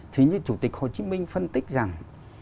thì như chủ tịch hồ chí minh phân tích rằng